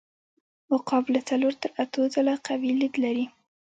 عقاب له څلور تر اتو ځله قوي لید لري.